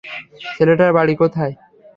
ছেলেটার বাড়ি কোথায়?